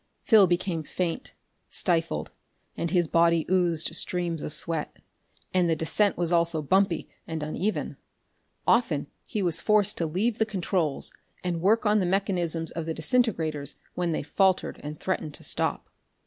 Phil became faint, stifled, and his body oozed streams of sweat. And the descent was also bumpy and uneven; often he was forced to leave the controls and work on the mechanism of the disintegrators when they faltered and threatened to stop.